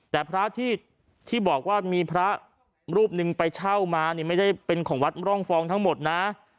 แต่พระที่บอกว่ามีพระรูปหนึ่งไปเช่ามาเนี่ยไม่ได้เป็นของวัดร่องฟองทั้งหมดนะ